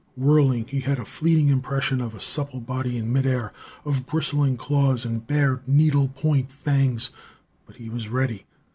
Whirling, he had a fleeting impression of a supple body in midair, of bristling claws and bared, needlepoint fangs. But he was ready.